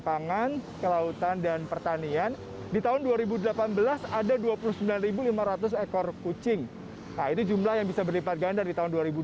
pangan kelautan dan pertanian di tahun dua ribu delapan belas ada dua puluh sembilan ribu lima ratus ekor kucing itu jumlah yang bisa berlipat